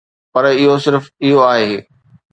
پر اهو صرف اهو آهي.